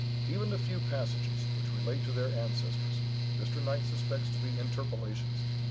Even the few passages which relate to their ancestors, Mr. Knight suspects to be interpolations.